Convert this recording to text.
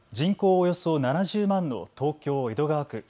およそ７０万の東京江戸川区。